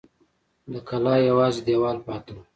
د کلا یوازې دېوال پاته و.